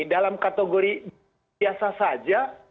dalam kategori biasa saja